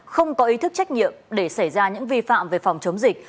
không có ý thức trách nhiệm để xảy ra những vi phạm về phòng chống dịch